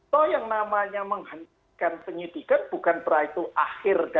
toh yang namanya menghentikan penyidikan bukan berarti akhirnya